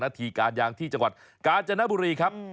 นาทีการยางที่จังหวัดกาญจนบุรีครับ